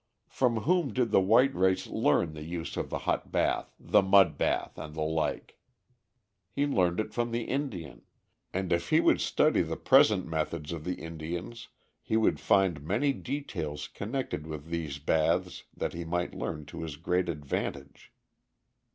From whom did the white race learn the use of the hot bath, the mud bath, and the like? He learned it from the Indian, and if he would study the present methods of the Indians he would find many details connected with these baths that he might learn to his great advantage.